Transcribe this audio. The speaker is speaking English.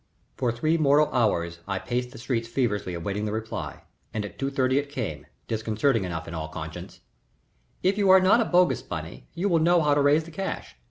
For three mortal hours I paced the streets feverishly awaiting the reply, and at two thirty it came, disconcerting enough in all conscience: "If you are not a bogus Bunny you will know how to raise the cash.